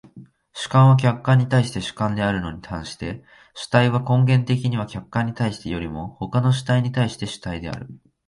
主観は客観に対して主観であるに反して、主体は根源的には客観に対してよりも他の主体に対して主体である。